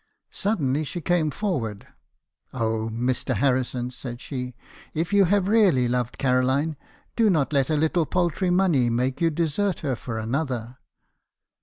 Suddenly she came forwards. "'Oh, Mr. Harrison,' said she, 'if you have really loved Caroline, do not let a little paltry money make you desert her for another.'